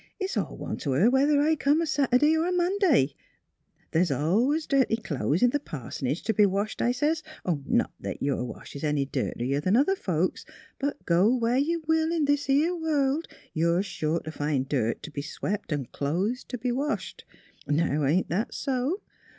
It's all one to her whether I come a Sat'day er a Monday. The's al'ays dirty clo'es t' til' pars'nage t' be washed,' I sez. Not 'at your wash is any dirtier 'an other folkses. But go where you will in this 'ere world, you're sure to find dirt t' be swep' an' clo'es t' be washed. AT THE PARSONAGE 223 Now, ain't that so!